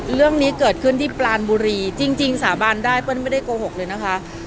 เรื่องนี้เกิดขึ้นที่ปลานบุรีจริงสาบานได้เปิ้ลไม่ได้โกหกเลยนะคะ